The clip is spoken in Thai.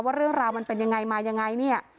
ว่าเรื่องราวมันเป็นอย่างไรมาอย่างไร